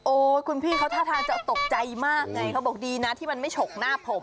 คุณพี่เขาท่าทางจะตกใจมากไงเขาบอกดีนะที่มันไม่ฉกหน้าผม